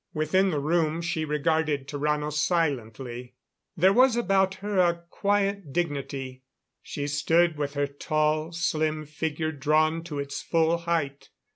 Within the room, she regarded Tarrano silently. There was about her a quiet dignity; she stood with her tall, slim figure drawn to its full height.